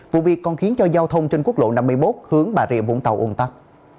vụ việc còn khiến cho giao thông trên quốc lộ năm mươi một hướng bà rịa vũng tàu ồn tắc